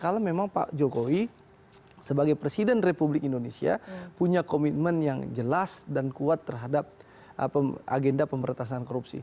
kalau memang pak jokowi sebagai presiden republik indonesia punya komitmen yang jelas dan kuat terhadap agenda pemberantasan korupsi